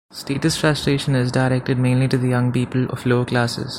Status frustration is directed mainly to the young people of lower classes.